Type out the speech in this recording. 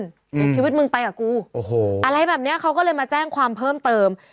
เดี๋ยวชีวิตมึงไปกับกูโอ้โหอะไรแบบนี้เขาก็เลยมาแจ้งความเพิ่มเติม